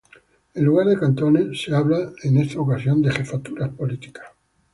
En lugar de cantones se habla, en esta ocasión, de Jefaturas Políticas.